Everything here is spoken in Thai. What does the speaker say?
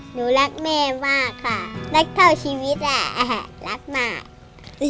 หนูรักแม่มากค่ะรักเท่าชีวิตอ่ะรักมาก